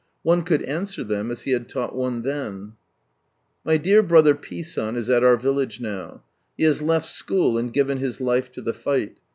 One could answer them as He had taught one then. My dear brother P. San is at our village now. He has left school and given his life to the fight.